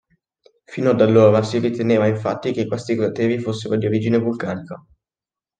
Fino ad allora si riteneva infatti che questi crateri fossero di origine vulcanica.